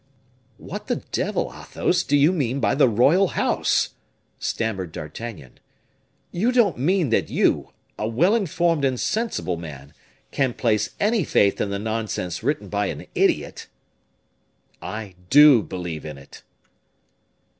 "What the devil, Athos, do you mean by the royal house?" stammered D'Artagnan. "You don't mean that you, a well informed and sensible man, can place any faith in the nonsense written by an idiot?" "I do believe in it."